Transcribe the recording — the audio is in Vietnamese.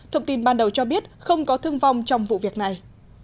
thông tin ban đầu cho biết không có thương vong trong vụ việc này